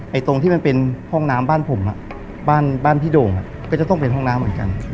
ตรงที่มันเป็นห้องน้ำบ้านผมบ้านพี่โด่งก็จะต้องเป็นห้องน้ำเหมือนกัน